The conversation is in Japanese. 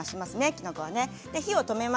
きのこは。